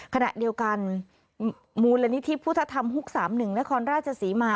ขณะเดียวกันมูลนิธิพุทธธรรมฮุก๓๑นครราชศรีมา